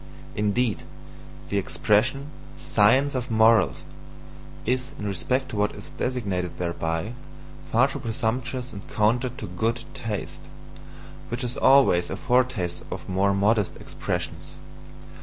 Indeed, the expression, "Science of Morals" is, in respect to what is designated thereby, far too presumptuous and counter to GOOD taste, which is always a foretaste of more modest expressions.